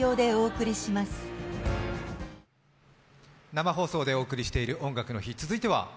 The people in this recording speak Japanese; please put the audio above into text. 生放送でお送りしている「音楽の日」、続いては？